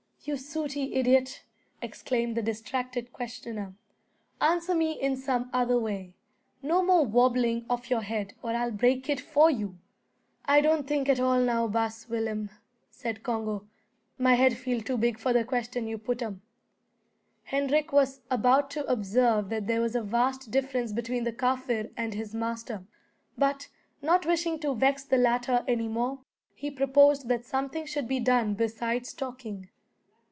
"You sooty idiot!" exclaimed the distracted questioner, "answer me in some other way. No more wabbling of your head, or I'll break it for you." "I don't think at all now, baas Willem," said Congo. "My head feel too big for the question you put 'um." Hendrik was about to observe that there was a vast difference between the Kaffir and his master, but, not wishing to vex the latter any more, he proposed that something should be done besides talking.